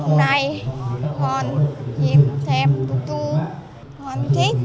hôm nay con hiếp thèm trung thu con thích